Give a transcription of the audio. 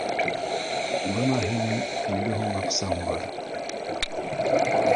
Бына һинең илле һум аҡсаң бар